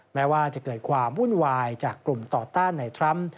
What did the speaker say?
แม้ว่าจะเกิดความวุ่นวายจากกลุ่มต่อต้านในทรัมป์